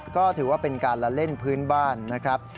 ก็ถือว่าเป็นการละเล่นพื้นบ้านนะครับ